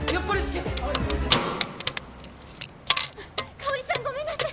香さんごめんなさい！